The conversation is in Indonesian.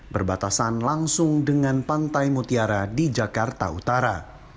berbatasan langsung dengan pantai mutiara di jakarta utara